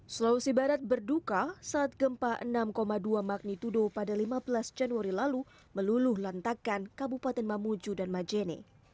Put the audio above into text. sulawesi barat berduka saat gempa enam dua magnitudo pada lima belas januari lalu meluluh lantakan kabupaten mamuju dan majene